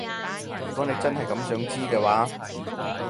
如果你真係咁想知嘅話